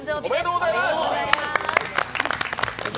おめでとうございます！